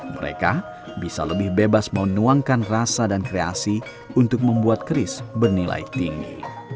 mereka bisa lebih bebas menuangkan rasa dan kreasi untuk membuat keris bernilai tinggi